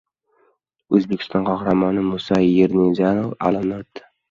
O‘zbekiston Qahramoni Musa Yerniyazov olamdan o‘tdi